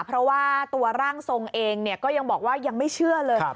เพราะว่าตัวร่างทรงเองก็ยังบอกว่ายังไม่เชื่อเลย